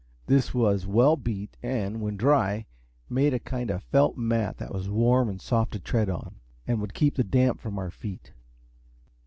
This was well beat, and, when dry, made a kind of felt mat that was warm and soft to tread on, and would keep the damp from our feet.